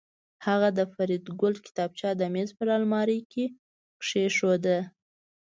هغه د فریدګل کتابچه د میز په المارۍ کې کېښوده